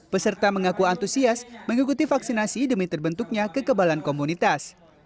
peserta mengaku antusias mengikuti vaksinasi demi terbentuknya kekebalan komunitas